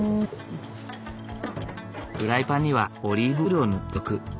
フライパンにはオリーブオイルを塗っておく。